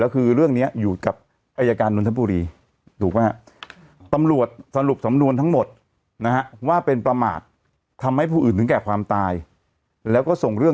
แล้วคืออย่างนั้นสมมุติ้วใส่หน้ากากเราต้องบอก